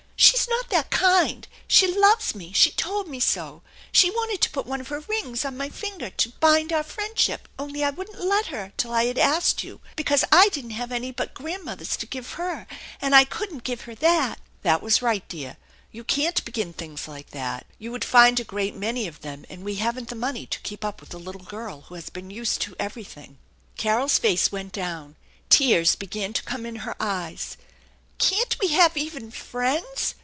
" She's not that kind. She loves me ; she told me so. She wanted to put one of her rings on my finger to ' bind our friendship,' only I wouldn't let her till I had asked you, because I didn't have any but grandmother's to give her, and I couldn't give her that." " That was right, dear. You can't begin things like that. You would find a great many of them, and we haven't the money to keep up with a little girl who has been used to everything." Carol's face went down. Tears began to come in her eyes. * Can't we have even friends?"